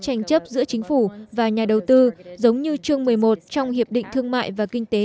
tranh chấp giữa chính phủ và nhà đầu tư giống như chương một mươi một trong hiệp định thương mại và kinh tế